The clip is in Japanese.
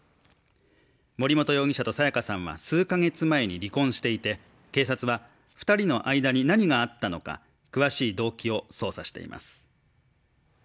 森本容疑者と彩加さんは数カ月前に離婚していて、警察は２人の間に何があったのか詳しい動機を捜査しています。